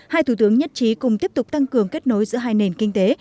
hai thủ tướng nhất trí cùng tiếp tục tăng cường kết nối giữa hai nền kinh tế